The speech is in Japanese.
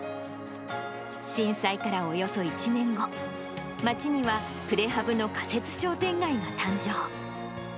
震災からおよそ１年後、町にはプレハブの仮設商店街が誕生。